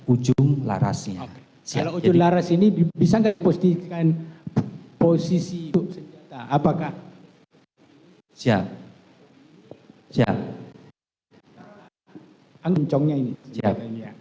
ujung larasnya siap laras ini bisa nggak postikan posisi itu apakah siap siap